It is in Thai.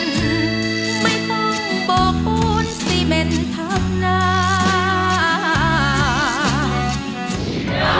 ไม่ต้องโปรคูณสิเมนท์ทำงาน